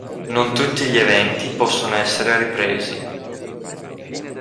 Non tutti gli eventi possono essere ripresi.